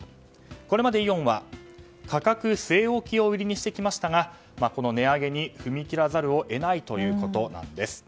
これまでイオンは価格据え置きを売りにしてきましたがこの値上げに踏み切らざるを得ないということなんです。